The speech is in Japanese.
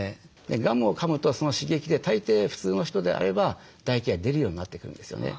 ガムをかむとその刺激で大抵普通の人であれば唾液が出るようになってくるんですよね。